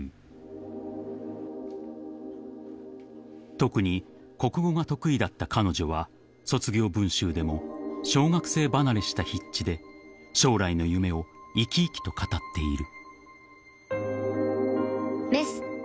［特に国語が得意だった彼女は卒業文集でも小学生離れした筆致で将来の夢を生き生きと語っている］